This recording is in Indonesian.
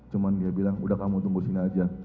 cuma dia bilang udah kamu tunggu sini aja